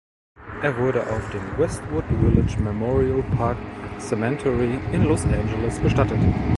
Er wurde auf dem Westwood Village Memorial Park Cemetery in Los Angeles bestattet.